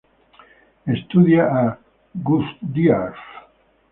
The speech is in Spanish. Estudia a Gurdjieff.